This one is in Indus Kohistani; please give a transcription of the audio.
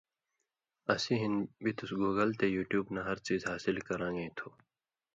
اسی ہِن بِتُس گُوگل تے یُوٹیوب نہ ہر څیز حاصل کرا ن٘گَیں تھو